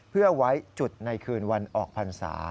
เพื่อไว้จุดในคืนวันออกพรรษา